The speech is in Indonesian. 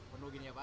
penuh gini ya pak